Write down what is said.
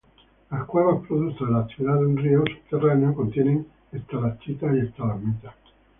Las cuevas, producto de la actividad de un río subterráneo, contienen estalactitas y estalagmitas.